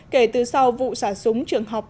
kể từ sau vụ xả súng trường học